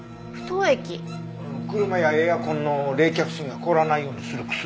車やエアコンの冷却水が凍らないようにする薬。